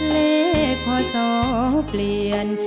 และพ่อสอเปลี่ยน